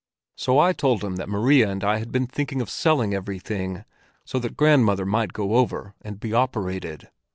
So I told him that Maria and I had been thinking of selling everything so that grandmother might go over and be operated.